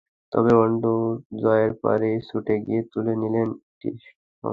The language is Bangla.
তবে ওল্ড ট্রাফোর্ডে জয়ের পরই ছুটে গিয়ে তুলে নিলেন একটি স্টাম্প।